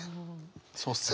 そうっすね。